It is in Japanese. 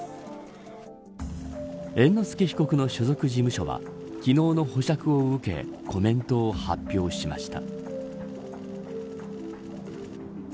猿之助被告の所属事務所は昨日の保釈を受けコメントを発表しました。